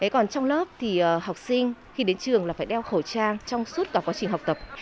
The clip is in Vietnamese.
còn trong lớp thì học sinh khi đến trường là phải đeo khẩu trang trong suốt cả quá trình học tập